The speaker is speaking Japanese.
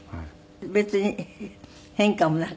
別に変化もなく？